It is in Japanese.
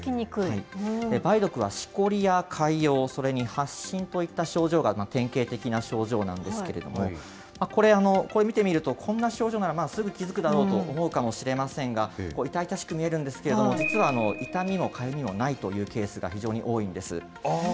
梅毒はしこりや潰瘍、それに発疹といった症状が典型的な症状なんですけれども、これ見てみると、こんな症状なら、すぐ気付くだろうと思うかもしれませんが、痛々しく見えるんですけれども、実は痛みもかゆみもないというケースが非常に多いんです。